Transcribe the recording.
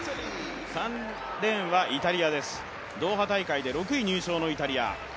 ３レーンはイタリアです、ドーハ大会で６位入賞のイタリア。